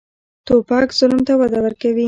توپک ظلم ته وده ورکوي.